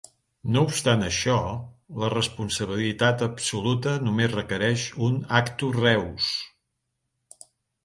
No obstant això, la responsabilitat absoluta només requereix un "actus reus".